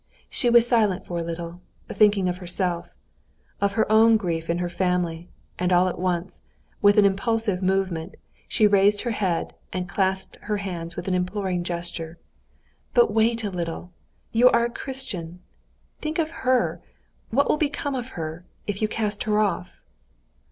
She was silent for a little, thinking of herself, of her own grief in her family, and all at once, with an impulsive movement, she raised her head and clasped her hands with an imploring gesture. "But wait a little! You are a Christian. Think of her! What will become of her, if you cast her off?"